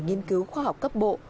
nghiên cứu khoa học cấp bộ